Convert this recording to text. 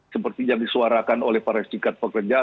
seperti yang disuarakan oleh para sikat pekerja